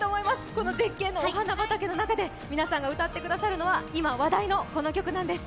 この絶景の中で皆さんが歌ってくださるのは今、話題のこの曲なんです。